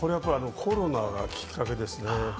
コロナがきっかけですね。